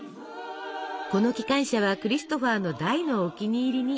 この機関車はクリストファーの大のお気に入りに。